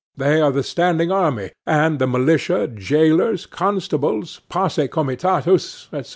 They are the standing army, and the militia, jailers, constables, posse comitatus, &c.